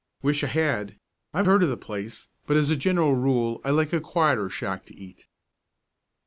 "Wish I had. I've heard of the place, but as a general rule I like a quieter shack to eat."